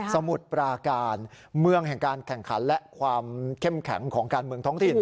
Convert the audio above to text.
มุดปราการเมืองแห่งการแข่งขันและความเข้มแข็งของการเมืองท้องถิ่น